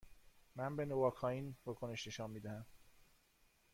من به نواکائین واکنش نشان می دهم.